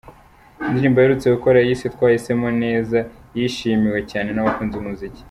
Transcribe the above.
Indirimbo aherutse gukora yise 'Twahisemo neza' yishimiwe cyane n'abakunzi b'umuziki.